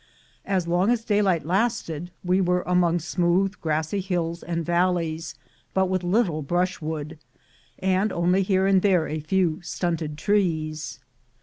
As long as daylight lasted, we were among smooth grassy hills and valleys, with but little brushwood, and only here and there a few stunted trees.